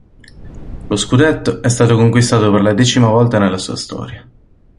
Lo scudetto è stato conquistato dal per la decima volta nella sua storia.